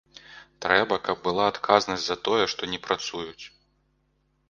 Трэба, каб была адказнасць за тое, што не працуюць.